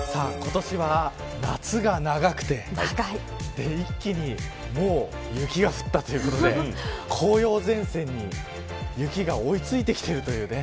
今年は、夏が長くて一気に雪が降ったということで紅葉前線に雪が追いついてきているという。